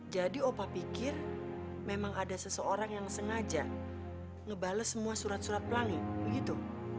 opa pikir memang ada seseorang yang sengaja ngebales semua surat surat pelangi begitu